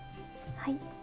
はい。